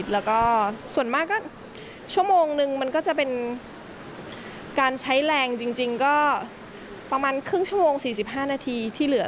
แล้วก็ส่วนมากก็ชั่วโมงนึงมันก็จะเป็นการใช้แรงจริงก็ประมาณครึ่งชั่วโมง๔๕นาทีที่เหลือ